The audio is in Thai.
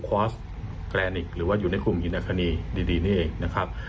ควอสแกรนิตหรือว่าอยู่ในคุมหินคณีดีนี่เองนะครับ